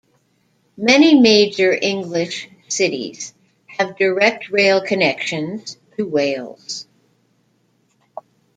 Many major English cities have direct rail connections to Wales.